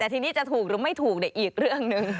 แต่ทีนี้จะถูกหรือไม่ถูกอีกเรื่องหนึ่ง